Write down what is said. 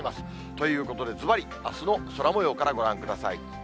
ということで、ずばり、あすの空もようからご覧ください。